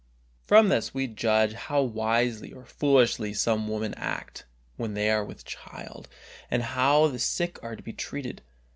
From this we can judge how wisely or foolishly some women act when they are with child, and how the sick are to be treated.